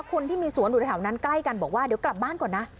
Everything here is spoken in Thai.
คนที่มีสวนอยู่ในแถวนั้นใกล้กันบอกว่าเดี๋ยวกลับบ้านก่อนนะ